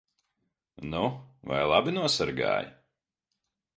Nu vai labi nosargāji?